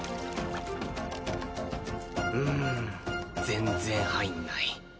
うーん全然入んない